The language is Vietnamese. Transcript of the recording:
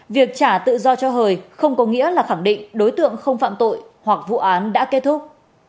việc trả tự do cho hời không có nghĩa là khẳng định đối tượng không phạm tội hoặc vụ án đã kết thúc